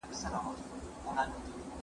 د زړونو ناروغي د کرکې له امله زیږیږي.